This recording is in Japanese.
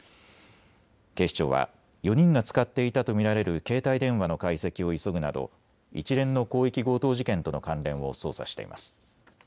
警視庁は４人が使っていたと見られる携帯電話の解析を急ぐなど一連の広域強盗事件との関連を捜査しています。